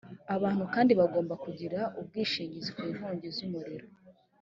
abantu kandi bagomba kugira ubwishingizi ku nkongi z umuriro